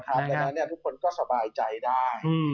ทุกคนก็สบายใจได้